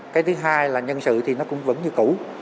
cái thứ hai là nhân sự thì nó cũng vẫn như cũ